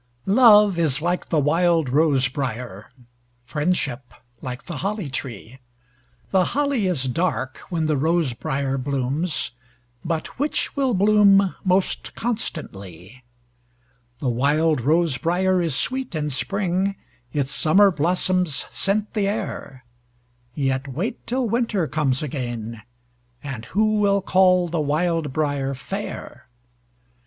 Love is like the wild rose briar; Friendship like the holly tree. The holly is dark when the rose briar blooms, But which will bloom most constantly? The wild rose briar is sweet in spring, Its summer blossoms scent the air; Yet wait till winter comes again, And who will call the wild briar fair?